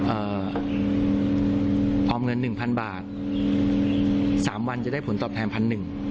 ออมเงิน๑๐๐๐บาท๓วันจะได้ผลตอบแทน๑๐๐๐บาท